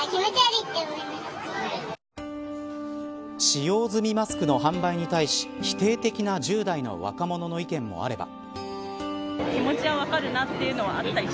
使用済みマスクの販売に対し否定的な１０代の若者の意見もあれば。